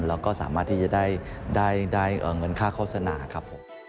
แล้วก็สามารถที่จะได้เงินค่าโฆษณาครับผม